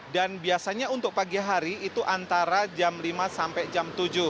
dan biasanya untuk pagi hari itu antara jam lima sampai jam tujuh